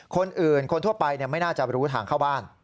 คนอื่นคนทั่วไปไม่น่าจะรู้ทางเข้าบ้าน